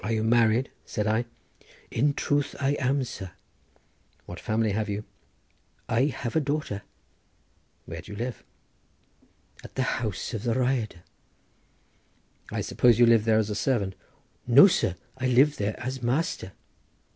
"Are you married?" said I. "In truth I am, sir." "What family have you?" "I have a daughter." "Where do you live?" "At the house of the Rhyadr." "I suppose you live there as servant?" "No, sir, I live there as master."